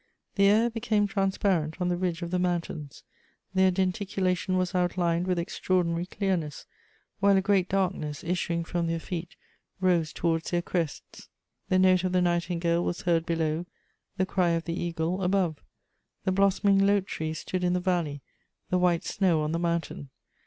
The air became transparent on the ridge of the mountains; their denticulation was outlined with extraordinary clearness, while a great darkness, issuing from their feet, rose towards their crests. The note of the nightingale was heard below, the cry of the eagle above; the blossoming lote tree stood in the valley, the white snow on the mountain.